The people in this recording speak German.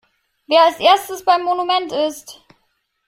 Wer als erstes beim Monument ist!